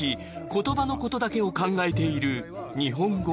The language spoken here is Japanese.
言葉のことだけを考えている日本語